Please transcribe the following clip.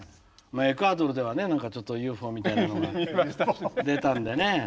エクアドルではね何かちょっとＵＦＯみたいなのが出たんでね。